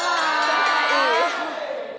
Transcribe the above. น่ารัก